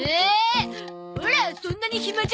オラそんなに暇じゃないゾ。